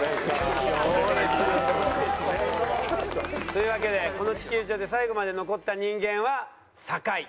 というわけでこの地球上で最後まで残った人間は酒井。